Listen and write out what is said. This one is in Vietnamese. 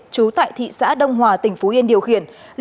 trú tại thị xã đông hòa tỉnh phú yên điều khiển